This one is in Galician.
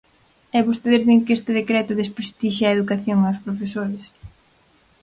E vostedes din que este decreto desprestixia a educación e os profesores.